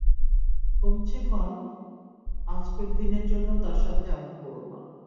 কমছে কম আজকের দিনের জন্য তার সাথে এমন করো না।